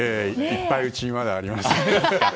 いっぱいうちにまだあります。